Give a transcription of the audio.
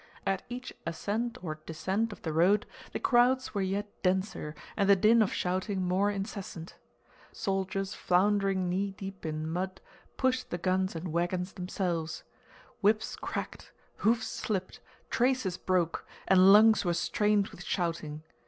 At each ascent or descent of the road the crowds were yet denser and the din of shouting more incessant. Soldiers floundering knee deep in mud pushed the guns and wagons themselves. Whips cracked, hoofs slipped, traces broke, and lungs were strained with shouting.